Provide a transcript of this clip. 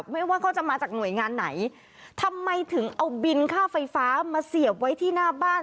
ไม่ว่าเขาจะมาจากหน่วยงานไหนทำไมถึงเอาบินค่าไฟฟ้ามาเสียบไว้ที่หน้าบ้าน